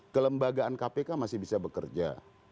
kelembagaan kpk masih bisa bekerja